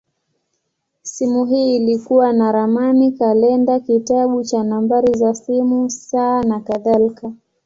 Simu hii ilikuwa na ramani, kalenda, kitabu cha namba za simu, saa, nakadhalika.